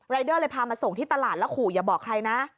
เดอร์เลยพามาส่งที่ตลาดแล้วขู่อย่าบอกใครนะ